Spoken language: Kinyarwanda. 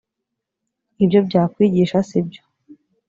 ibyo byakwigisha sibyo